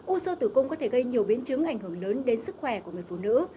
u sơ tử cung có thể gây nhiều biến chứng ảnh hưởng lớn đến sức khỏe của người phụ nữ